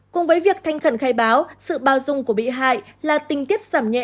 cùng với việc thanh khẩn khai báo sự bao dung của bị hại là tình tiết giảm nhẹ